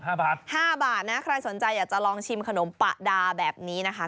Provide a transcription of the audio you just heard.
ห้าบาทนะใครสนใจอยากจะลองชิมขนมปะดาแบบนี้นะคะ